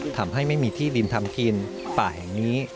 ทำให้ไม่มีที่ดินทำกินป่าแห่งนี้